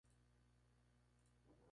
Ver subsección.